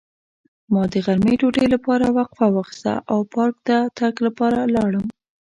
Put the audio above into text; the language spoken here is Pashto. ما د غرمې ډوډۍ لپاره وقفه واخیسته او پارک ته د تګ لپاره لاړم.